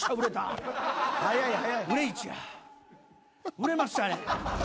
売れましたね。